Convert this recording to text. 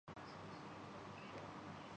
کسی صورت نہیں کھل سکتا